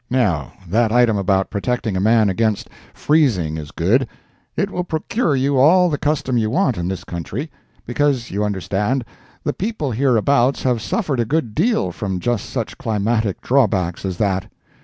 Now, that item about protecting a man against freezing is good. It will procure you all the custom you want in this country. Because, you understand, the people hereabouts have suffered a good deal from just such climatic drawbacks as that.